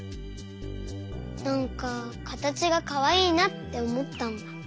なんかかたちがかわいいなっておもったんだ。